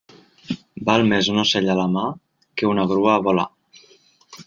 Val més un ocell a la mà que una grua a volar.